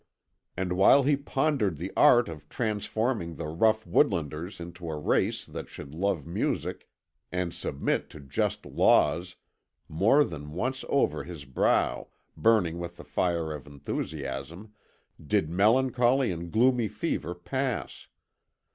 And while he pondered the art of transforming the rough woodlanders into a race that should love music and submit to just laws, more than once over his brow, burning with the fire of enthusiasm, did melancholy and gloomy fever pass.